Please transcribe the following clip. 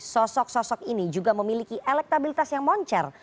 sosok sosok ini juga memiliki elektabilitas yang moncer